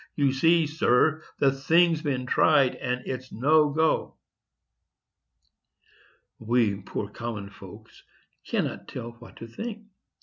You see, sir, the thing's been tried, and it's no go." We poor common folks cannot tell what to think.